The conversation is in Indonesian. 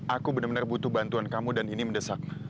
aku bener bener butuh bantuan kamu dan ini mendesak